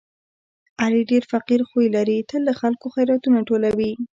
علي ډېر فقیر خوی لري، تل له خلکو خیراتونه ټولوي.